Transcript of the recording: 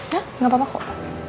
ya nggak apa apa kok